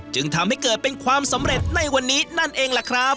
จึงทำให้เกิดเป็นความสำเร็จในวันนี้นั่นเองล่ะครับ